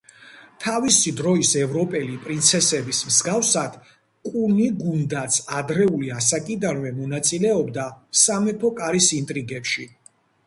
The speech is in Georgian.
თავისი დროის ევროპელი პრინცესების მსგავსად, კუნიგუნდაც ადრეული ასაკიდანვე მონაწილეობდა სამეფო კარის ინტრიგებში.